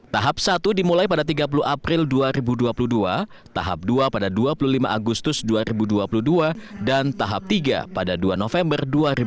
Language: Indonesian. tahap satu dimulai pada tiga puluh april dua ribu dua puluh dua tahap dua pada dua puluh lima agustus dua ribu dua puluh dua dan tahap tiga pada dua november dua ribu dua puluh